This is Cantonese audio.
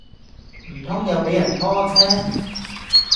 唔通又俾人拖車